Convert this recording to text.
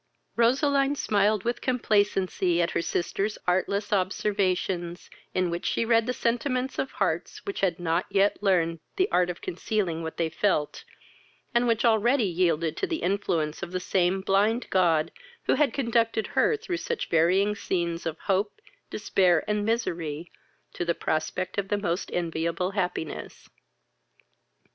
Roseline smiled with complacency at her sister's artless observations, in which she read the sentiments of hearts which had not yet learned the art of concealing what they felt, and which already yielded to the influence of the same blind god who had conducted her through such varying scenes of hope, despair, and misery, to a prospect of the most enviable happiness.